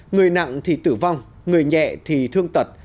người nặng thì tử vong người nhẹ thì thương tật